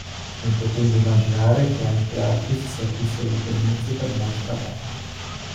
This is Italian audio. Non potendo immaginare che anche altri si servissero di quel mezzo per nuocere a Paolo.